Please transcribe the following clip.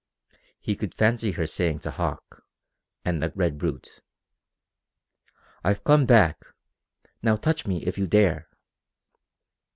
He could fancy her saying to Hauck, and the Red Brute: "I've come back. Now touch me if you dare!"